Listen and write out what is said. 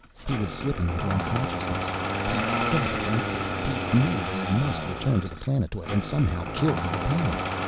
He was slipping into unconsciousness. He fought against it. He knew he must return to the planetoid and somehow kill the opponent.